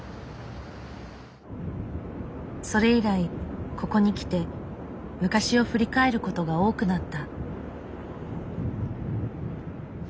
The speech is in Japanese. それ以来ここに来て昔を振り返る事が多くなった。